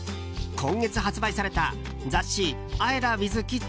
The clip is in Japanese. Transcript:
今月発売された雑誌「ＡＥＲＡｗｉｔｈＫｉｄｓ」